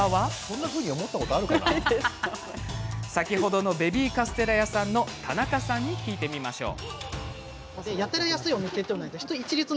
先ほどのベビーカステラ屋さんの田中さんに聞いてみましょう。